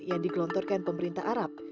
yang digelontorkan pemerintah arab